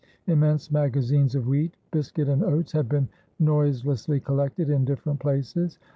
Immense magazines of wheat, biscuit, and oats had been noiselessly collected in different places.